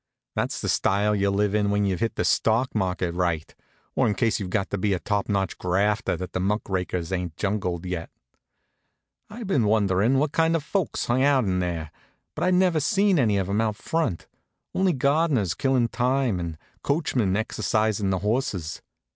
That's the style you live in when you've hit the stock market right, or in case you've got to be a top notch grafter that the muck rakers ain't jungled yet. I'd been wonderin' what kind of folks hung out in there, but I'd never seen any of 'em out front, only gardeners killin' time, and coachmen exercisin' the horses.